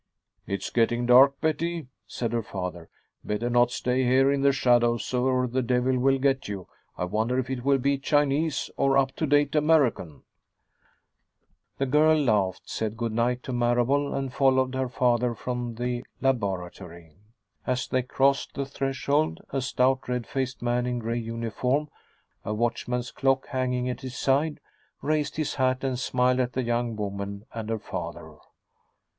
"It's getting dark, Betty," said her father. "Better not stay here in the shadows or the devil will get you. I wonder if it will be Chinese or up to date American!" The girl laughed, said good night to Marable, and followed her father from the laboratory. As they crossed the threshold a stout, red faced man in a gray uniform, a watchman's clock hanging at his side, raised his hat and smiled at the young woman and her father.